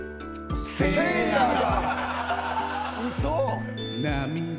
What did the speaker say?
せいやだ！